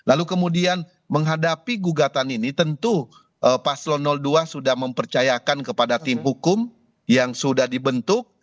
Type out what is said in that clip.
lalu kemudian menghadapi gugatan ini tentu paslon dua sudah mempercayakan kepada tim hukum yang sudah dibentuk